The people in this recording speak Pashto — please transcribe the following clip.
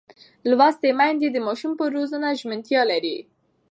لوستې میندې د ماشوم پر روزنه ژمنتیا لري.